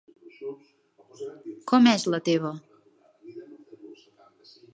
Com és la teva?